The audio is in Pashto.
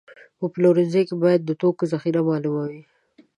په پلورنځي کې باید د توکو ذخیره معلومه وي.